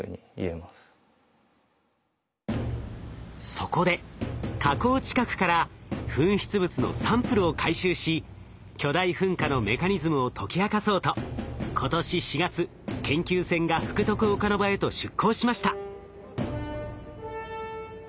そこで火口近くから噴出物のサンプルを回収し巨大噴火のメカニズムを解き明かそうと今年４月研究船が福徳岡ノ場へと出航しました。